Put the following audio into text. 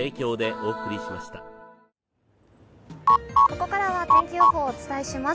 ここからは天気予報をお伝えします。